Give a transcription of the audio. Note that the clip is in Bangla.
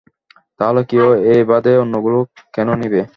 তাহলে কেউ, এই বাদে অন্যগুলো কেন নিবে?